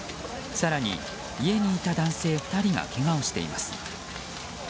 更に家にいた男性２人がけがをしています。